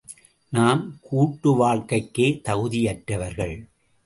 நாம் கூட்டு வாழ்க்கைக்கே தகுதியற்றவர்கள்.